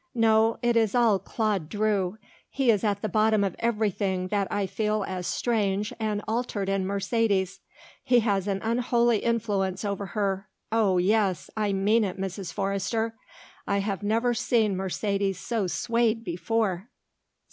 No, it is all Claude Drew. He is at the bottom of everything that I feel as strange and altered in Mercedes. He has an unholy influence over her, oh, yes, I mean it, Mrs. Forrester. I have never seen Mercedes so swayed before."